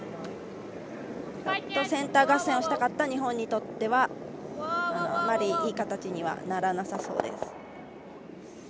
センター合戦をしたかった日本にとってはあまりいい形にはならなさそうです。